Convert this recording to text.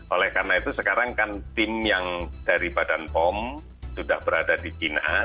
oleh karena itu sekarang kan tim yang dari badan pom sudah berada di china